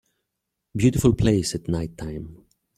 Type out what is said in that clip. beautiful place at nighttime.